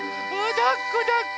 だっこだっこ！